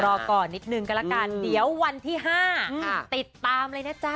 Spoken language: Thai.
รอก่อนนิดนึงก็ละกันเดี๋ยววันที่๕ติดตามเลยนะจ๊ะ